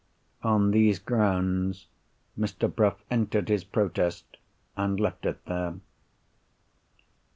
On these grounds, Mr. Bruff entered his protest, and left it there.